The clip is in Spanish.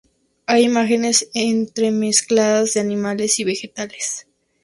Hay imágenes entremezcladas de animales y vegetales.